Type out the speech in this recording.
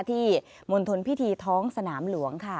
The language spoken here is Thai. มณฑลพิธีท้องสนามหลวงค่ะ